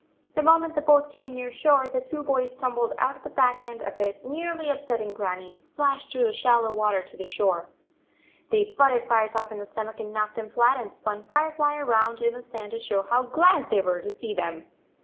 The moment the boat came near shore, the two boys tumbled out of the back end of it, nearly upsetting Grannie, and splashed through the shallow water to the shore. They butted Firetop in the stomach and knocked him flat, and spun Firefly around in the sand to show how glad they were to see them.